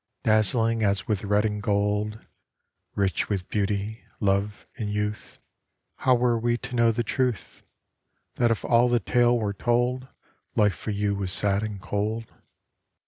Dazzling as with red and gold ; Rich with beauty, love and youth How were we to know the truth, That if all the tale were told Life for you was sad and cold